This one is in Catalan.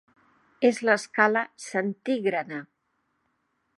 És l'escala centígrada.